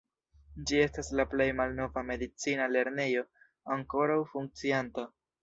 Ĝi estas la plej malnova medicina lernejo ankoraŭ funkcianta.